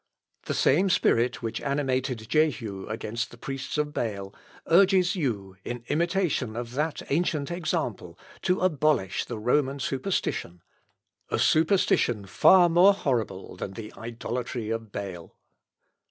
The same spirit which animated Jehu against the priests of Baal urges you, in imitation of that ancient example, to abolish the Roman superstition a superstition far more horrible than the idolatry of Baal."